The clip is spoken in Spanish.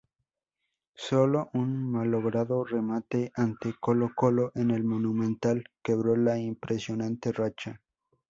Sólo un malogrado remate ante Colo Colo en el Monumental, quebró la impresionante racha.